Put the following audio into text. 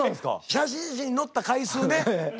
写真誌に載った回数ね。え！？